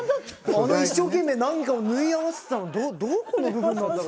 あの一生懸命何かを縫い合わせてたのどこの部分なんだろう？